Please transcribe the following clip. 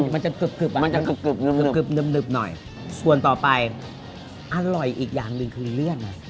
มันจะกึบมันจะกึบหน่อยส่วนต่อไปอร่อยอีกอย่างหนึ่งคือเลื่อนนะ